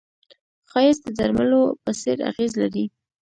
ښایست د درملو په څېر اغېز لري